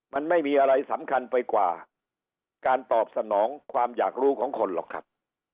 มันไม่มีอะไรสำคัญไปกว่าการตอบสนองความอยากรู้ของคนหรอกครับ